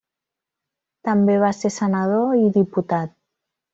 També va ser senador i diputat.